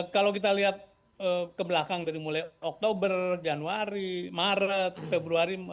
kalau kita lihat ke belakang dari mulai oktober januari maret februari